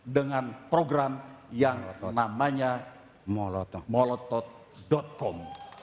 dengan program yang atau namanya molotot com